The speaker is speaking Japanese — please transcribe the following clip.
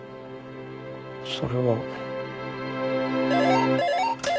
それは。